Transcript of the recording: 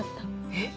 えっ？